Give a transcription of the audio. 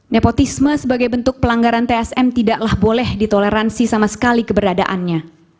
nepotisme sebagai bentuk pelanggaran tsm tidaklah boleh ditoleransi sama sekali keberadaannya